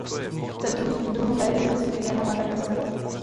Centrum druhové diverzity je na Madagaskaru.